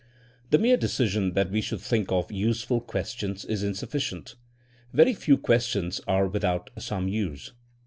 The mere decision that we should think of useful questions is insufficient. Very few ques tions are without some use.